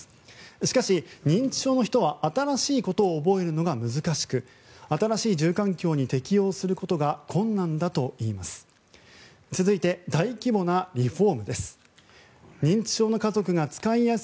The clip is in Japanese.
しかし、認知症の人は新しいことを覚えるのが難しく新しい住環境に適応することが困難だといいます。